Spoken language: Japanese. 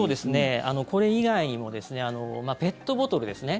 これ以外にもペットボトルですね。